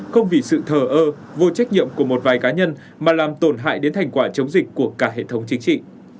không vì sự thờ ơ vô trách nhiệm của một vài cá nhân mà làm tổn hại đến thành quả chống dịch của cả hệ thống chính trị